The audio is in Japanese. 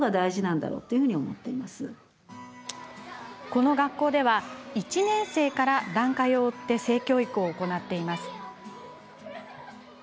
この学校では１年生から段階を追って性教育を行っています。